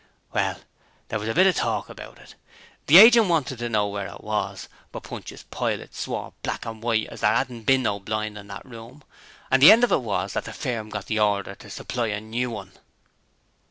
'Well, there was a bit of talk about it. The agent wanted to know where it was, but Pontius Pilate swore black and white as there 'adn't been no blind in that room, and the end of it was that the firm got the order to supply a new one.'